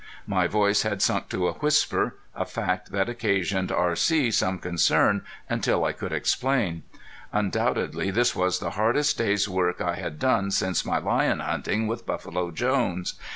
My voice had sunk to a whisper, a fact that occasioned R.C. some concern until I could explain. Undoubtedly this was the hardest day's work I had done since my lion hunting with Buffalo Jones.